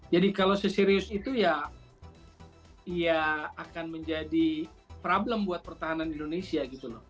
jadi kalau seserius itu ya ya akan menjadi problem buat pertahanan indonesia gitu loh